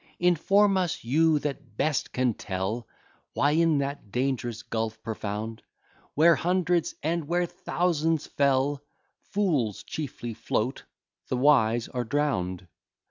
Inform us, you that best can tell, Why in that dangerous gulf profound, Where hundreds and where thousands fell, Fools chiefly float, the wise are drown'd?